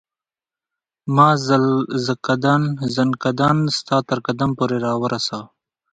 ما زکندن ستا تر قدم پوري را ورساوه